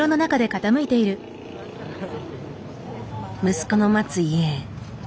息子の待つ家へ。